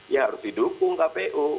ya harus didukung kpu